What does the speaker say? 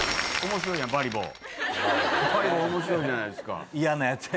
面白いじゃないですか。